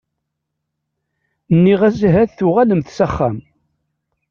Nniɣ-as ahat tuɣalemt s axxam.